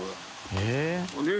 えっ？